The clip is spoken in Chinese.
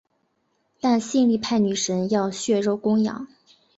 但性力派女神要血肉供养。